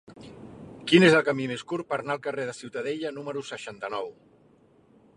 Quin és el camí més curt per anar al carrer de Ciutadella número seixanta-nou?